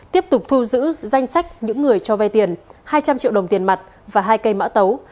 tiếp tục thu giữ danh sách những người cho vay tiền hai trăm linh triệu đồng tiền mặt và hai cây mã tấu